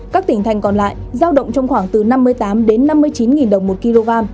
các tỉnh thành còn lại giao động trong khoảng từ năm mươi tám đến năm mươi chín đồng một kg